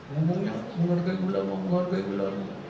umumnya menghargai ulama menghargai ulama